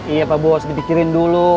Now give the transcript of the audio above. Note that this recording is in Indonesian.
iya pak bos dipikirin dulu